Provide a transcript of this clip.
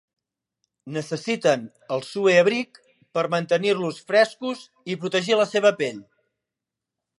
Necessiten el sue abric per mantenir-los frescos i protegir la seva pell.